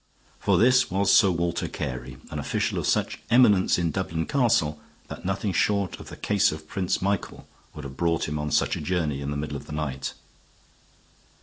For this was Sir Walter Carey, an official of such eminence in Dublin Castle that nothing short of the case of Prince Michael would have brought him on such a journey in the middle of the night.